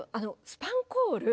スパンコール